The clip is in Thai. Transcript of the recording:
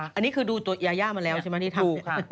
อันนี้คือดูตัวยาย่ามันแล้วใช่ไหมที่ทั้งเดียว